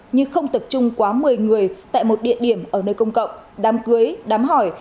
nhưng không tập trung quá một mươi người tại một địa điểm ở nơi công cộng đám cưới đám hỏi